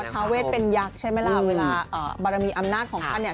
ทาเวทเป็นยักษ์ใช่ไหมล่ะเวลาบารมีอำนาจของท่านเนี่ย